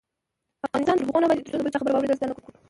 افغانستان تر هغو نه ابادیږي، ترڅو د بل چا خبره واوریدل زده نکړو.